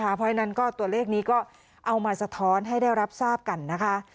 เพราะฉะนั้นก็ตัวเลขนี้ก็เอามาสะท้อนให้ได้รับทราบกันนะคะ